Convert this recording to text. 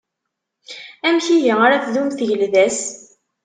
Amek ihi ara tdum tgelda-s?